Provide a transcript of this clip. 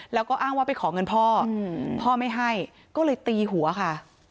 แล้วก็อ้างว่าไปขอเงินพ่อพ่อไม่ให้ก็เลยตีหัวค่ะ